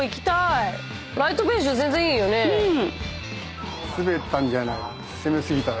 うん。